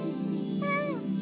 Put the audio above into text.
うん！